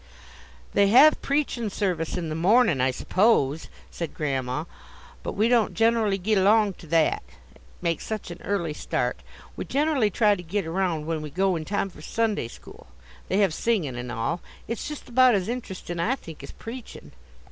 "They have preachin' service in the mornin', I suppose," said Grandma. "But we don't generally git along to that. It makes such an early start. We generally try to get around, when we go, in time for Sunday school. They have singin' and all. It's just about as interestin', I think, as preachin'.